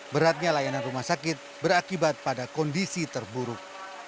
beratnya layanan rumah sakit berakibat pada kondisi terburuk